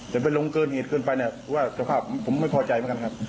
แต่ไปลงเกินเหตุเขินไปประสบความผมไม่พอใจเหมือนกัน